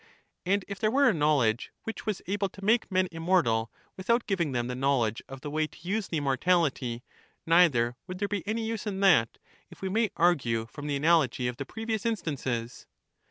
And if there were a knowledge which was able to make men immortal, without giving them the knowl edge of the way to use the immortality, neither would there be any use in that, if we may argue from the analogy of the previous instances?